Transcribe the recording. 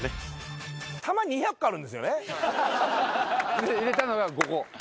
つまり。入れたのが５個。